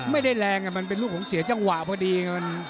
ไม่ได้แรงมันเป็นลูกของเสียจังหวะพอดีไง